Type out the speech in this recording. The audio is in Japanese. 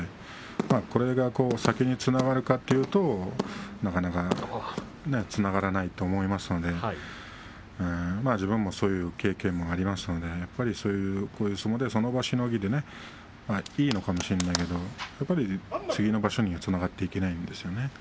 これが先につながるかというとなかなかつながらないと思いますので自分もそういう経験もありますがこういう相撲でその場しのぎでいいのかもしれませんが次の場所には、つながっていかないと思います。